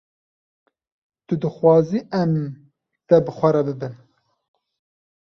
Tu dixwazî em te bi xwe re bibin?